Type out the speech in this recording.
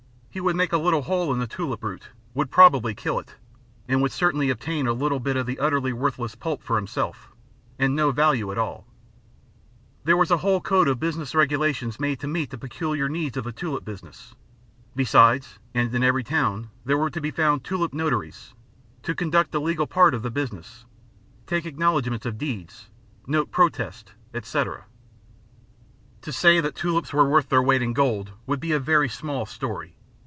He would make a little hole in the tulip root, would probably kill it, and would certainly obtain a little bit of utterly worthless pulp for himself, and no value at all. There was a whole code of business regulations made to meet the peculiar needs of the tulip business, besides, and in every town were to be found "tulip notaries," to conduct the legal part of the business, take acknowledgments of deeds, note protests, &c. To say that the tulips were worth their weight in gold would be a very small story.